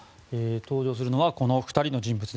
登場するのはこの２人の人物。